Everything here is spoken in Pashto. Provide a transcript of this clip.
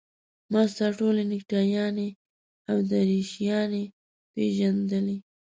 ما ستا ټولې نکټایانې او دریشیانې پېژندلې.